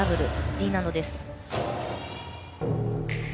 Ｄ難度です。